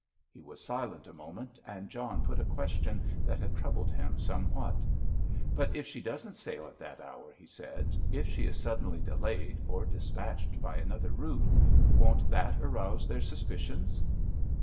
He was silent a moment and John put a question that had troubled him somewhat. "But if she doesn't sail at that hour," he said; "if she is suddenly delayed or dispatched by another route, won't that arouse their suspicions?"